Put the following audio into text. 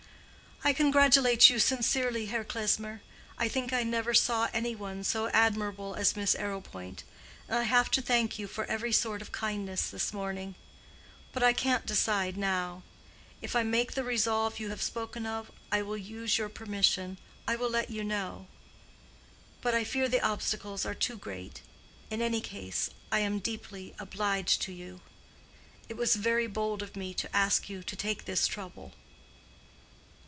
"I congratulate you sincerely, Herr Klesmer. I think I never saw any one so admirable as Miss Arrowpoint. And I have to thank you for every sort of kindness this morning. But I can't decide now. If I make the resolve you have spoken of, I will use your permission—I will let you know. But I fear the obstacles are too great. In any case, I am deeply obliged to you. It was very bold of me to ask you to take this trouble."